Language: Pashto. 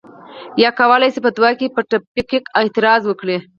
یا یې کولای شوای په دعا کې پر تفکیک اعتراض وکړي.